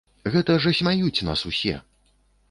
Гэта ж асмяюць нас усе!